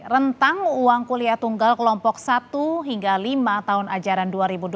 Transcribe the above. rentang uang kuliah tunggal kelompok satu hingga lima tahun ajaran dua ribu dua puluh empat dua ribu dua puluh lima